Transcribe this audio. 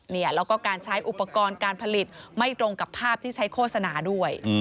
แล้วก็การใช้อุปกรณ์การผลิตไม่ตรงกับภาพที่ใช้โฆษณาด้วย